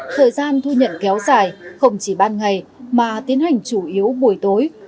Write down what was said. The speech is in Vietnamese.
thời gian thu nhận kéo dài không chỉ ban ngày mà tiến hành chủ yếu buổi tối